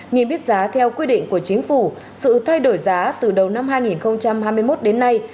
niêm yết giá theo quy định của chính phủ sự thay đổi giá từ đầu năm hai nghìn hai mươi một đến nay